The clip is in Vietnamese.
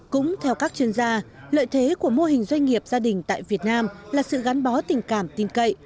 cũng theo các chuyên gia lợi thế của mô hình doanh nghiệp gia đình tại việt nam là sự gắn bó tình cảm tin cậy